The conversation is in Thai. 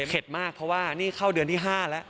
มากเพราะว่านี่เข้าเดือนที่๕แล้ว